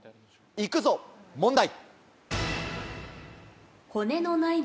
行くぞ問題。